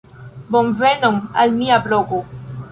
Bonvenon al mia blogo.